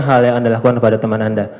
hal yang anda lakukan kepada teman anda